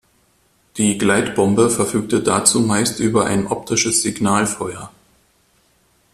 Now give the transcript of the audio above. Die Gleitbombe verfügte dazu meist über ein optisches Signalfeuer.